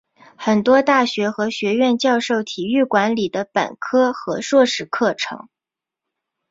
很多大学和学院教授体育管理的本科和硕士课程。